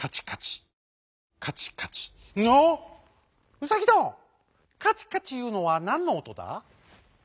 ウサギどんカチカチいうのはなんのおとだ？」。